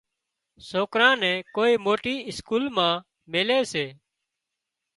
سوڪرا نين ڪوئي موٽي اسڪول مان ميلي